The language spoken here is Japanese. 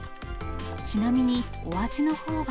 ちなみにお味のほうは。